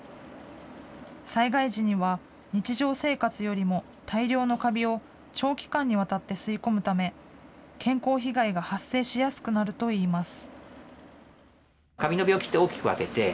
災害時には、日常生活よりも大量のカビを、長期間にわたって吸い込むため、健康被害が発生しやすくなるといいます。